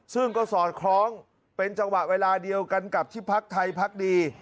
ซึ่งก็สอดคล้องเป็นจังหวะเวลาเดียวกันกับที่พักไทยพักดี